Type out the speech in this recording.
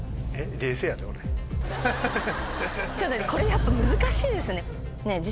これやっぱ難しいですね。